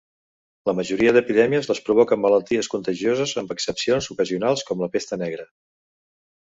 La majoria d'epidèmies les provoquen malalties contagioses, amb excepcions ocasionals com la pesta negra.